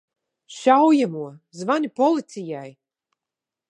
Šaujamo! Zvani policijai!